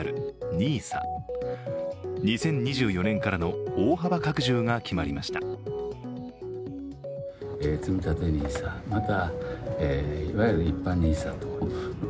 ２０２４年からの大幅拡充が決まりました。